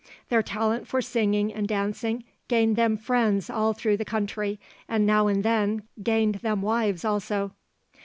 Their talent for singing and dancing gained them friends all through the country, and now and then gained them wives also.